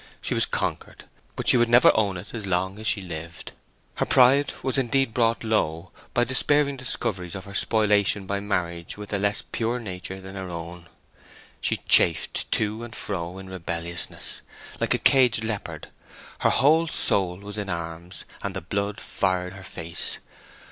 She was conquered; but she would never own it as long as she lived. Her pride was indeed brought low by despairing discoveries of her spoliation by marriage with a less pure nature than her own. She chafed to and fro in rebelliousness, like a caged leopard; her whole soul was in arms, and the blood fired her face.